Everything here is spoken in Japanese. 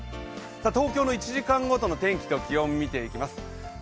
東京の１時間ごとの天気と気温見ていきます。